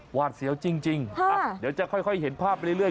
วาดเสียวจริงเดี๋ยวจะค่อยเห็นภาพไปเรื่อย